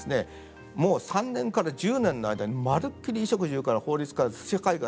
もう３年から１０年の間にまるっきり衣食住から法律から社会が。